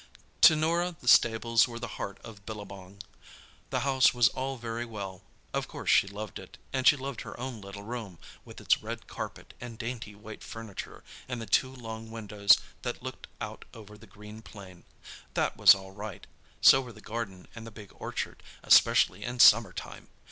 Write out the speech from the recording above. To Norah the stables were the heart of Billabong. The house was all very well—of course she loved it; and she loved her own little room, with its red carpet and dainty white furniture, and the two long windows that looked out over the green plain. That was all right; so were the garden and the big orchard, especially in summer time!